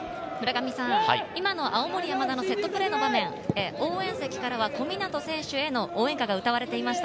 今の青森山田のセットプレーの場面、応援席からは小湊選手への応援歌が歌われていました。